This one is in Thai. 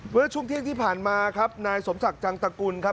เมื่อช่วงเที่ยงที่ผ่านมาครับนายสมศักดิ์จังตกุลครับ